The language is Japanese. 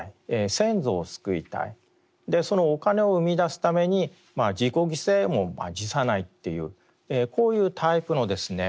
そのお金を生みだすために自己犠牲も辞さないというこういうタイプのですね